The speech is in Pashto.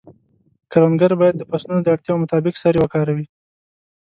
کروندګر باید د فصلونو د اړتیاوو مطابق سرې وکاروي.